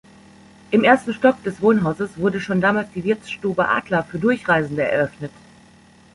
Im ersten Stock des Wohnhauses wurde schon damals die Wirtsstube „Adler“ für Durchreisende eröffnet.